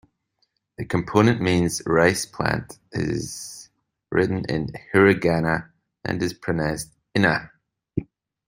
The component means 'rice plant', is written in hiragana and is pronounced: "ina".